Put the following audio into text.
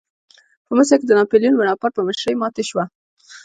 په مصر کې د ناپلیون بناپارټ په مشرۍ ماتې شوه.